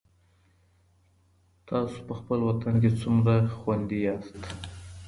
تاسو په خپل وطن کي څومره خوندي یاست؟